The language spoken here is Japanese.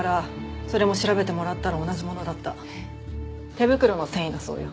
手袋の繊維だそうよ。